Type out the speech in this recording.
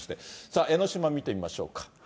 さあ、江の島見てみましょうか。